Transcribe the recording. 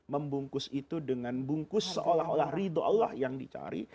membungkus itu dengan bungkus seolah olah ridho allah yang dicari